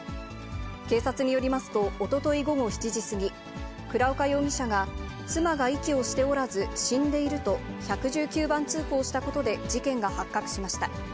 警察によりますと、おととい午後７時過ぎ、倉岡容疑者が、妻が息をしておらず死んでいると、１１９番通報したことで事件が発覚しました。